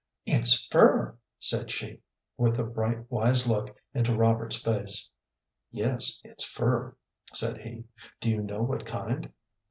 "It's fur," said she, with a bright, wise look into Robert's face. "Yes, it's fur," said he. "Do you know what kind?"